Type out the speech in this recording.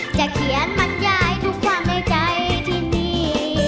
เขียนบรรยายทุกความในใจที่นี่